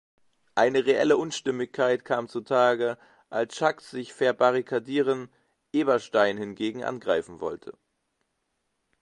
Eine reelle Unstimmigkeit kam zu Tage, als Schack sich verbarrikadieren, Eberstein hingegen angreifen wollte.